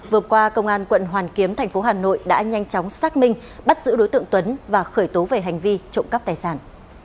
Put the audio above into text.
vừa qua công an quận hoàn kiếm thành phố hà nội đã nhanh chóng xác minh bắt giữ đối tượng tuấn và khởi tố về hành vi trộm cắp tài sản